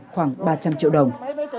khoảng ba trăm linh triệu đồng